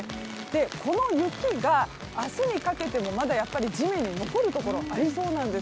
この雪が明日にかけてもまだ地面に残るところありそうなんです。